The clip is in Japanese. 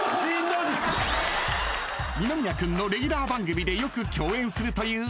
［二宮君のレギュラー番組でよく共演するという］